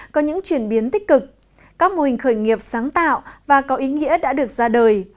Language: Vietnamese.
có những chuyển biến tích cực các mô hình khởi nghiệp sáng tạo và có ý nghĩa đã được ra đời